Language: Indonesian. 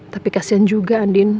tapi kasian juga andin